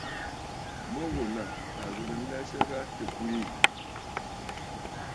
Mu ghùlà à ghɨ̀rə nlɛsə gha tɨ bwiì.